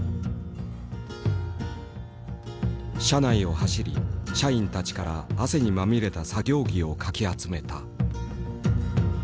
社内を走り社員たちから汗にまみれた作業着をかき集めた。